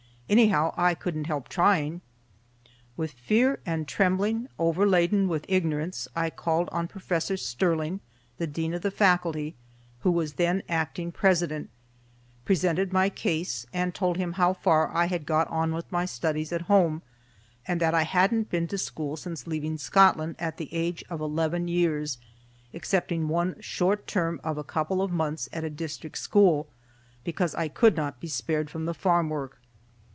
Anyhow I couldn't help trying. With fear and trembling, overladen with ignorance, I called on Professor Stirling, the Dean of the Faculty, who was then Acting President, presented my case, and told him how far I had got on with my studies at home, and that I hadn't been to school since leaving Scotland at the age of eleven years, excepting one short term of a couple of months at a district school, because I could not be spared from the farm work.